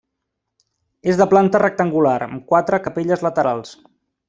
És de planta rectangular, amb quatre capelles laterals.